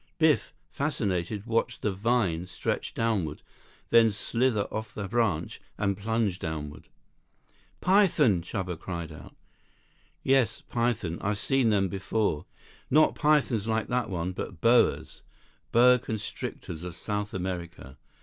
Biff, fascinated, watched the "vine" stretch downward, then slither off the branch and plunge downward. "Python!" Chuba cried out. "Yes. Python. I've seen them before. Not pythons like that one, but boas. Boa constrictors of South America.